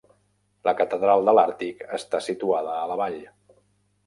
La Catedral de l'Àrtic està situada a la vall.